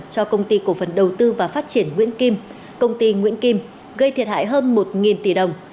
cho công ty cổ phần đầu tư và phát triển nguyễn kim công ty nguyễn kim gây thiệt hại hơn một tỷ đồng